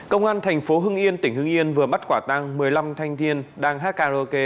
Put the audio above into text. công an thành phố hưng yên tỉnh hưng yên vừa bắt quả tăng một mươi năm thanh niên đang hát karaoke